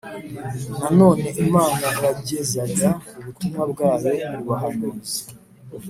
Nanone Imana yagezaga ubutumwa bwayo ku bahanuzi